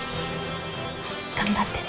頑張ってね。